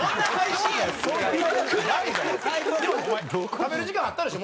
食べる時間あったでしょ？